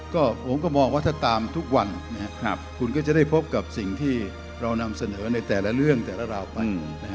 ก็ผมก็มองว่าถ้าตามทุกวันคุณก็จะได้พบกับสิ่งที่เรานำเสนอในแต่ละเรื่องแต่ละราวไป